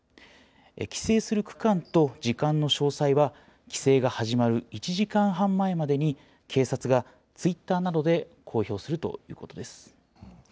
規制する区間と時間の詳細は規制が始まる１時間半前までに、警察がツイッターなどで公表するということです。